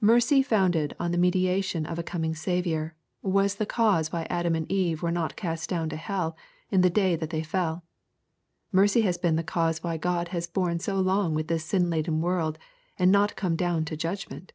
Mercy founded on the mediation of a coming Saviour, was the cause why Adam and Eve were not cast down to hell, in the day that they fell. Mercy has been the cause why God has borne so long with this sin laden world, and not come down to judgment.